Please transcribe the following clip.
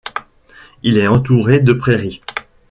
Il est entouré de prairies.